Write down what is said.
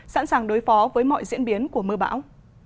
sẵn sàng đối phó với mọi diễn biến của mưa bão